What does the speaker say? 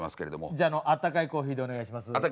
じゃああったかいコーヒーでお願いします。